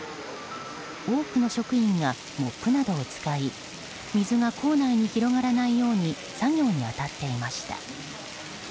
多くの職員がモップなどを使い水が構内に広がらないように作業に当たっていました。